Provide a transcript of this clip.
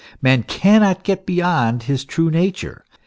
Man cannot get beyond his true nature.